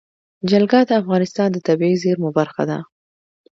جلګه د افغانستان د طبیعي زیرمو برخه ده.